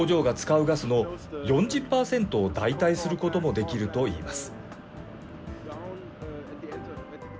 工場が使うガスの４０％を代替することもできるといいます。